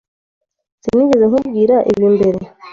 Sinigeze nkubwira ibi mbere?